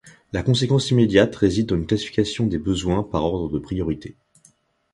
La conséquence immédiate réside dans une classification des besoins par ordre de priorités.